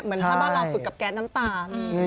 เหมือนถ้าบ้านเราฝึกกับแก๊สน้ำตามี